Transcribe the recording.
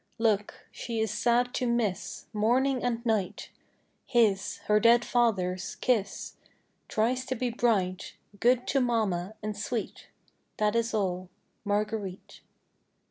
Look. She is sad to miss, Morning and night, His her dead father's kiss, Tries to be bright, Good to mamma, and sweet. That is all. "_Marguerite.